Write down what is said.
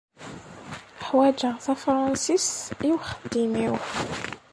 Ḥwajeɣ tafṛensist i uxeddim-inu.